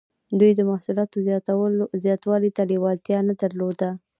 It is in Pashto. دوی د محصولاتو زیاتوالي ته لیوالتیا نه درلوده.